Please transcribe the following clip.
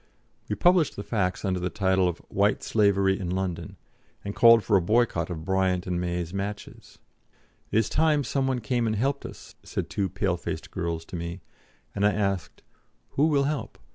'" We published the facts under the title of "White Slavery in London," and called for a boycott of Bryant & May's matches. "It is time some one came and helped us," said two pale faced girls to me; and I asked: "Who will help?